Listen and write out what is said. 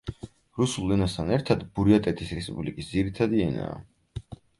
რუსულ ენასთან ერთად ბურიატეთის რესპუბლიკის ძირითადი ენაა.